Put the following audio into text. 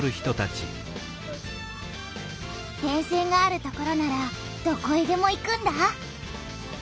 電線がある所ならどこへでも行くんだ。